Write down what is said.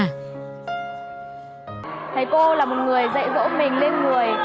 thầy cô là một người dạy dỗ mình lên người